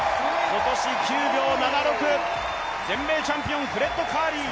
今年９秒７６、全米チャンピオン、フレッド・カーリー。